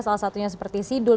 salah satunya seperti sidul